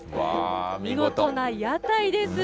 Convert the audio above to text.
見事な屋台です。